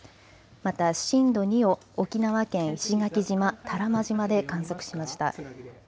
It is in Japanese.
また震度２を沖縄県石垣島、多良間島で観測しました。